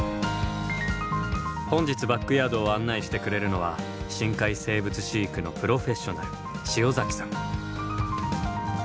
本日バックヤードを案内してくれるのは深海生物飼育のプロフェッショナル塩崎さん。